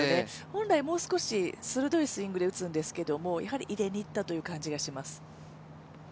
本来もう少し鋭いスイングで打つんですけれども、やはり入れにいったという感じがします。